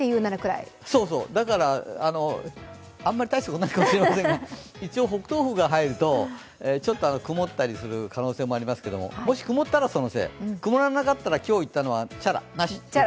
だから、あんまり大したことないかもしれませんが、北東風が入るとちょっと曇ったりする可能性もありますけれども、もし曇ったらそのせい、曇らなかったら今日言ったのはチャラ。